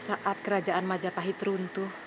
saat kerajaan majapahit runtuh